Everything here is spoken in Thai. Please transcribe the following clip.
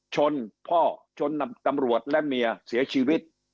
ชนพ่อชนตำรวจและเมียเสียชีวิต